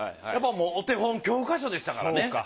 やっぱもうお手本教科書でしたからね。